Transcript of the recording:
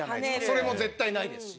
それも絶対ないですし。